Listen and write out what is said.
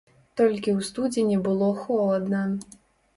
Толькі ў студзені было холадна.